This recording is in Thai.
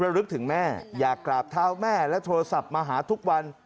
ลึกถึงแม่อยากกราบเท้าแม่และโทรศัพท์มาหาทุกวัน